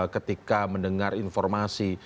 ketika mendengar informasi